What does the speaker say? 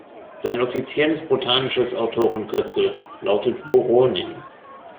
Sein offizielles botanisches Autorenkürzel lautet „Woronin“.